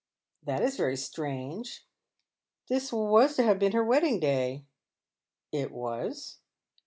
" That is very strange. This was to have been her wedding day." " It was."